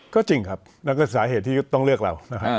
ก็จริงครับแล้วก็สาเหตุที่ต้องเลือกเรานะครับ